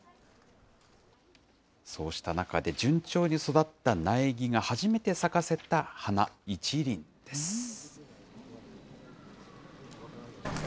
そうした中で、順調に育った苗木が、初めて咲かせた花１輪です。